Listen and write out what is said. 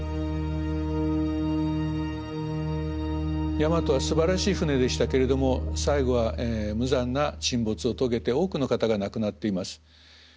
大和はすばらしい船でしたけれども最後は無残な沈没を遂げて多くの方が亡くなっています。